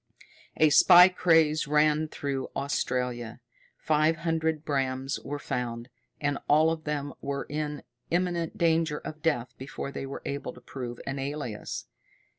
A spy craze ran through Australia. Five hundred Brams were found, and all of them were in imminent danger of death before they were able to prove an alias.